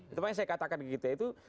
itu makanya saya katakan begitu ya